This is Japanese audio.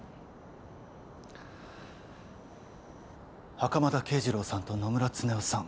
袴田啓二郎さんと野村恒雄さん。